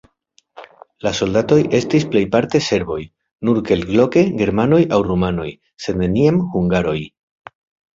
La soldatoj estis plejparte serboj, nur kelkloke germanoj aŭ rumanoj, sed neniam hungaroj.